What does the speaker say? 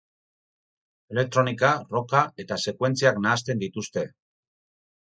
Elektronika, rocka eta sekuentziak nahasten dituzte.